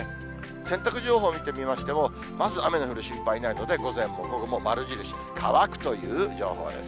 洗濯情報を見てみましても、まず雨の降る心配ないので、午前も午後も丸印、乾くという情報です。